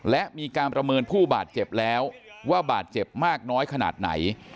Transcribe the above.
และมีการประเมินผู้บาดเจ็บแล้วว่าบาดเจ็บมากน้อยขนาดไหน